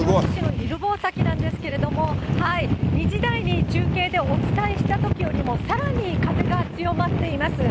犬吠埼なんですけども、２時台に中継でお伝えしたときよりも、さらに風が強まっています。